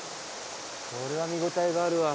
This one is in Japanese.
これは見応えがあるわ。